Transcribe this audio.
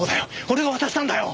俺が渡したんだよ。